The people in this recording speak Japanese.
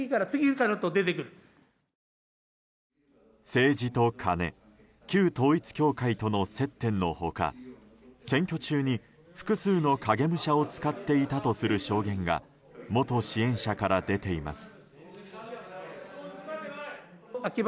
政治とカネ、旧統一教会との接点の他選挙中に複数の影武者を使っていたとする証言が元支援者から出ています。